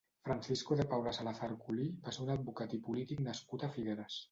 Francisco de Paula Salazar Culí va ser un advocat i polític nascut a Figueres.